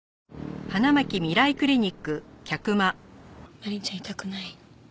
マリンちゃん痛くない？